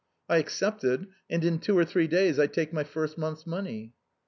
I accepted, and in two or three days I take my first month's money."